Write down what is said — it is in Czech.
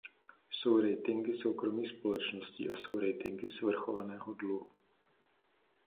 Jsou ratingy soukromých společností a jsou ratingy svrchovaného dluhu.